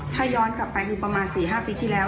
ถ้าย้อนกลับไปคือประมาณ๔๕ปีที่แล้ว